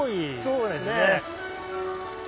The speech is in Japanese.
そうですね。